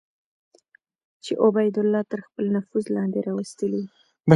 چې عبیدالله تر خپل نفوذ لاندې راوستلي وو.